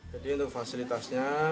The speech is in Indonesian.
jadi untuk fasilitasnya